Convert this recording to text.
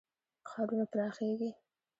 ښارونه پراخیږي.